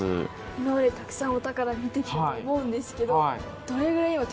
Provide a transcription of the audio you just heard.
今までたくさんお宝見てきたと思うんですけど。